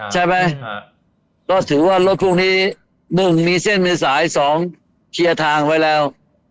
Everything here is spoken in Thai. ใช่ไหมก็ถือว่ารถพวกนี้๑มีเส้นมีสาย๒เคลียร์ทางไว้แล้ว